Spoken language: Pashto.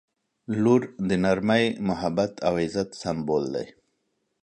• لور د نرمۍ، محبت او عزت سمبول دی.